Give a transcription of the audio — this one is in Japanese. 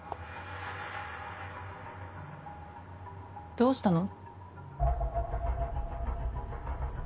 どうしたの？